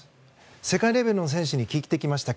世界レベルの選手に聞いてきました。